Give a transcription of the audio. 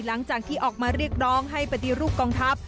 หลังจากที่ออกมาเรียกร้องให้ปฏิรูปกองทัพ